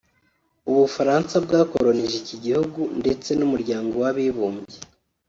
u Bufaransa bwakoronije iki gihugu ndetse n’Umuryango w’Abibumbye